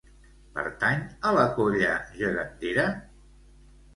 Pertany a la Colla Gegantera?